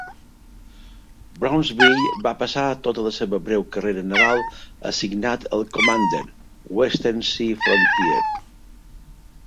"Brownsville" va passar tota la seva breu carrera naval assignat al commander, Western Sea Frontier.